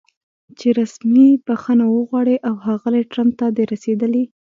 چې رسمي بښنه وغواړي او ښاغلي ټرمپ ته د رسېدلي